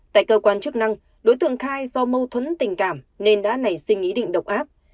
tại cơ quan chức năng đối tượng khai do mâu thuẫn tình cảm nên đã nảy sinh ý định độc ác